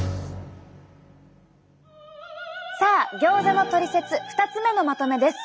さあギョーザのトリセツ２つ目のまとめです。